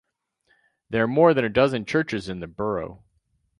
There are more than a dozen churches in the borough.